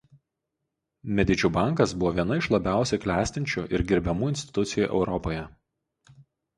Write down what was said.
Medičių bankas buvo viena iš labiausiai klestinčių ir gerbiamų institucijų Europoje.